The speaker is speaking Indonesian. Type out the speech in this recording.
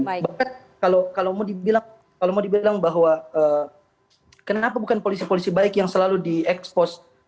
bahkan kalau mau dibilang bahwa kenapa bukan polisi polisi baik yang selalu diekspos